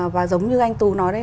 và giống như anh tú nói đấy